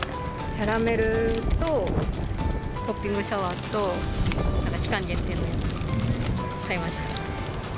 キャラメルとポッピングシャワーと、期間限定のやつ、買いました。